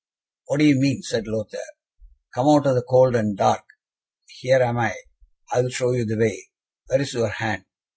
"What do you mean?" said Lothaire. "Come out of the cold and dark. Here am I. I will show you the way. Where is your hand?